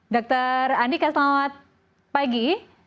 dr andika selamat pagi